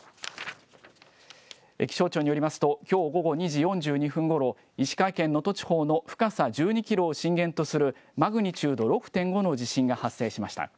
気象庁によりますと、きょう午後２時４２分ごろ、石川県能登地方の深さ１２キロを震源とするマグニチュード６．５の地震が発生しました。